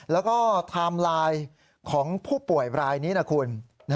แล้วก็ไทม์ไลน์ของผู้ป่วยรายนี้นะคุณ